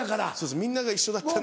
みんなが一緒だったんで。